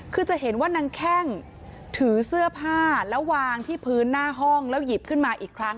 คือจะเห็นว่านางแข้งถือเสื้อผ้าแล้ววางที่พื้นหน้าห้องแล้วหยิบขึ้นมาอีกครั้ง